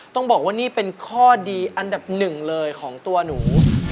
ต้องบอกว่านี่เป็นข้อดีอันดับหนึ่งเลยของตัวหนู